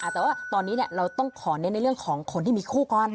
แต่ว่าตอนนี้เราต้องขอเน้นในเรื่องของคนที่มีคู่ก่อน